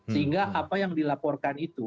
sehingga apa yang dilaporkan itu